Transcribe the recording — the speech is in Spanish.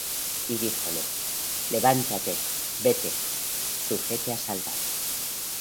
Y díjole: Levántate, vete; tu fe te ha salvado.